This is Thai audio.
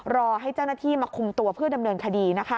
รอให้เจ้าหน้าที่มาคุมตัวเพื่อดำเนินคดีนะคะ